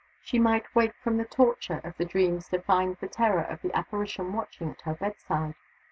She might wake from the torture of the dreams to find the terror of the Apparition watching at her bedside.